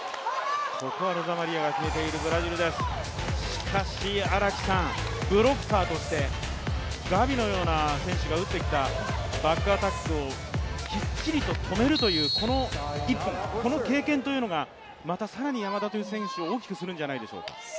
しかしブロッカーとしてガビのような選手が打ってきたバックアタックをきっちり止めるという、この一本この経験というのがまた山田という選手を大きくするんじゃないでしょうか。